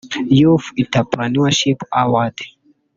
‘Youth Entrepreneurship Award’